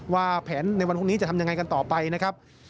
ว่าแผนในวันพรุ่งนี้จะทำยังไงกันต่อไปนะครับ